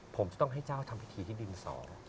ผมจะต้องให้เจ้าทำพิธีที่ดินสอง